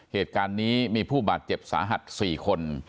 เหตุการณ์นี้มีผู้บาดเจ็บสาหัส๔คน